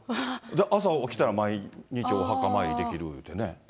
朝起きたら、毎日お墓参りできるって言ってね。